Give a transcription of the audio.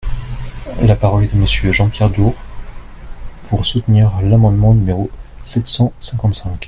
La parole est à Monsieur Jean-Pierre Door, pour soutenir l’amendement numéro sept cent cinquante-cinq.